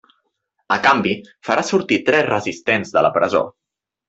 A canvi, farà sortir tres resistents de la presó.